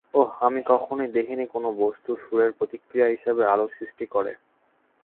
ওহ, আমি কখনোই দেখিনি কোন বস্তু, সুরের প্রতিক্রিয়া হিসেবে আলো সৃষ্টি করে।